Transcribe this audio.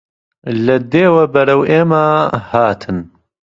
لە دێوە بەرەو ئێمە هاتن